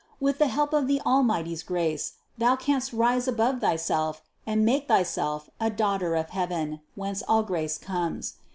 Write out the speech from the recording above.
With the help of the Almighty's grace, thou canst rise above thyself and make thyself a daughter of heaven, whence all grace comes.